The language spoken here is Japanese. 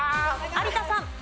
有田さん。